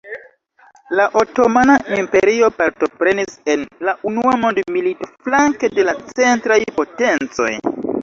La Otomana Imperio partoprenis en la Unua Mondmilito flanke de la Centraj potencoj.